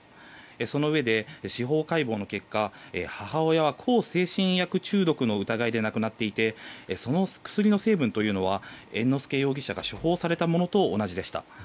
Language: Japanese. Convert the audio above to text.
そのうえで、司法解剖の結果母親は向精神薬中毒の疑いで亡くなっていてその薬の成分というのは猿之助容疑者が処方されたものと同じでした。